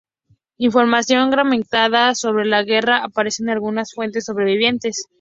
Información fragmentada sobre la guerra aparece en algunas fuentes sobrevivientes.